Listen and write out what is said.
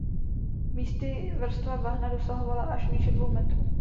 Místy vrstva bahna dosahovala až výše dvou metrů.